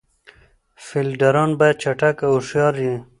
فیلډران باید چټک او هوښیار يي.